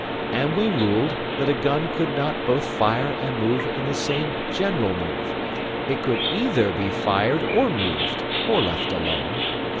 And we ruled that a gun could not both fire and move in the same general move: it could either be fired or moved (or left alone).